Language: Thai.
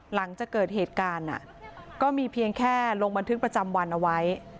หลังจากเกิดเหตุการณ์ก็มีเพียงแค่ลงบันทึกประจำวันเอาไว้